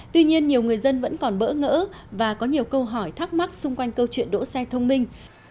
tuy nhiên nhiều người dân vẫn còn bỡ ngỡ và có nhiều câu hỏi thắc mắc xung quanh câu chuyện đỗ xe thông minh